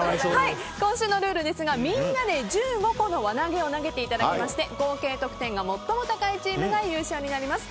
今週のルールですがみんなで１５個の輪投げを投げていただきまして合計得点が最も高いチームが優勝になります。